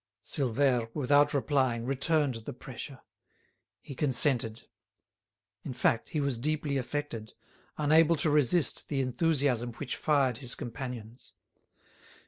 Silvère, without replying, returned the pressure. He consented. In fact, he was deeply affected, unable to resist the enthusiasm which fired his companions.